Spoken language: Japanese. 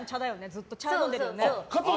ずっと茶飲んでるよね。